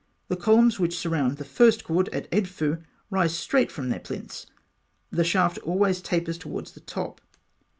The columns which surround the first court at Edfû rise straight from their plinths. The shaft always tapers towards the top.